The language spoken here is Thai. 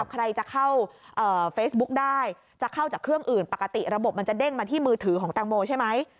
ใครจะเข้าเฟซบุ๊กได้จะเข้าจากเครื่องอื่นปกติระบบมันจะเด้งมาที่มือถือของแตงโมใช่ไหม